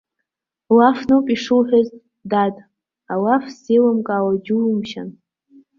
Лафноуп ишуҳәаз, дад, алаф сзеилымкаауа џьумшьан.